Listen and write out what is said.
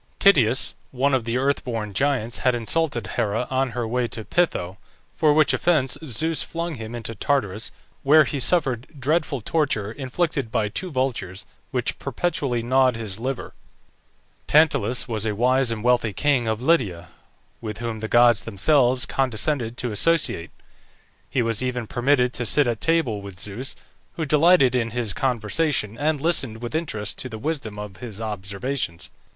TITYUS, one of the earth born giants, had insulted Hera on her way to Peitho, for which offence Zeus flung him into Tartarus, where he suffered dreadful torture, inflicted by two vultures, which perpetually gnawed his liver. TANTALUS was a wise and wealthy king of Lydia, with whom the gods themselves condescended to associate; he was even permitted to sit at table with Zeus, who delighted in his conversation, and listened with interest to the wisdom of his observations.